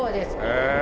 へえ。